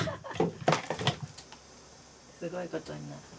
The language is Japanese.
すごいことになった。